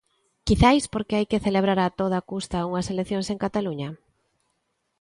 ¿Quizais porque hai que celebrar a toda custa unhas eleccións en Cataluña?